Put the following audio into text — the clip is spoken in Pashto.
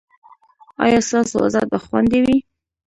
ایا ستاسو عزت به خوندي وي؟